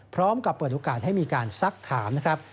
พร้อมกับเปิดโอกาสให้มีการซักถามนะครับ